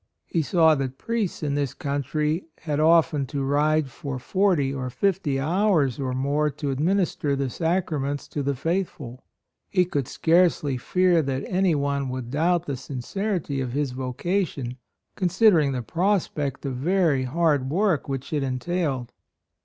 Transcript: He saw that priests in this country had often to ride for forty or fifty hours or more to administer the Sacraments to the faithful. He could scarcely fear that any one would doubt the sincerity of his vocation, considering the prospect of very hard work which it entailed.